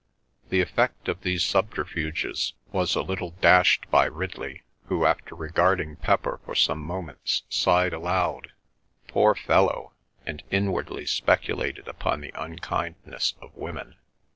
The effect of these subterfuges was a little dashed by Ridley, who, after regarding Pepper for some moments, sighed aloud, "Poor fellow!" and inwardly speculated upon the unkindness of women.